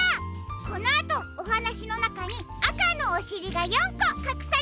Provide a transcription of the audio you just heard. このあとおはなしのなかにあかのおしりが４こかくされているよ。